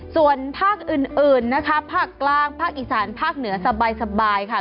ส่วนภาคอื่นนะคะภาคกลางภาคอีสานภาคเหนือสบายค่ะ